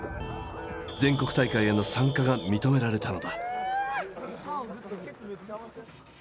全国大会への参加が認められたのだ。